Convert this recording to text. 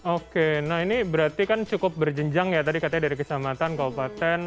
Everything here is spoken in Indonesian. oke nah ini berarti kan cukup berjenjang ya tadi katanya dari ke samatan ke obat dan